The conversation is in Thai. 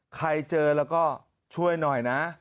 ใครเจอแล้วก็ช่วยหน่อยนะ